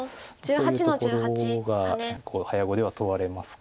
そういうところが早碁では問われますか。